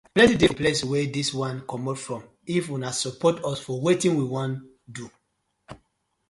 Plenty dey for di place wey dis one comot from if una support us for wetin we won do.